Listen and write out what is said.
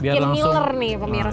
biar makin miler nih pemirsa